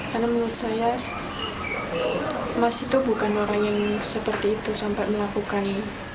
karena menurut saya masih tuh bukan orang yang seperti itu sampai melakukan